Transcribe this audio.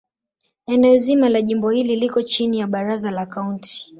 Eneo zima la jimbo hili liko chini ya Baraza la Kaunti.